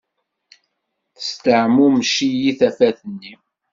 Tesdeɛmumec-iyi tafat-nni